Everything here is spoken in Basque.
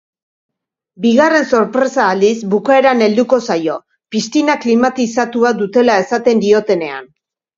Bigarren sorpresa aldiz, bukaeran helduko zaio, piztina klimatizatua dutela esaten diotenean.